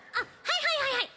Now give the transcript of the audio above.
はいはいはいはい。